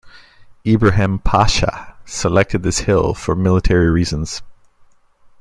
Ibrahim Pasha selected this hill for military reasons.